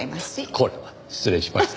これは失礼しました。